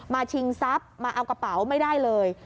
ชิงทรัพย์มาเอากระเป๋าไม่ได้เลย